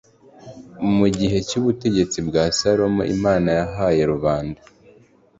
Mu gihe cy ubutegetsi bwa Salomo Imana yahaye rubanda